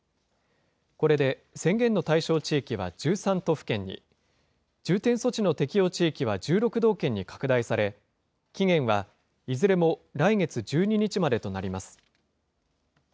これで宣言の対象地域は１３都府県に、重点措置の適用地域は１６道県に拡大され、期限は、いずれも来月１２日までとなります。